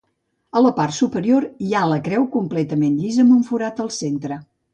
A la part superior hi ha la creu completament llisa, amb un forat al centre.